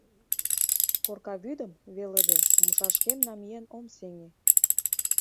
Корка вӱдым, велыде, умшашкем намиен ом сеҥе.